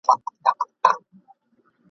اغیار بدنامه کړی یم شړې یې او که نه !.